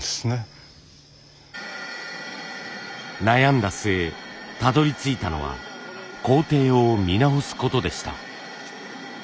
悩んだ末たどりついたのは工程を見直すことでした。